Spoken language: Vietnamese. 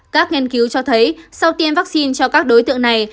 các nghiên cứu cho thấy sau tiêm vaccine cho các đối tượng này